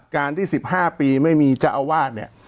การที่๑๕ปีไม่มีเจ้าอาวาสเนี่ย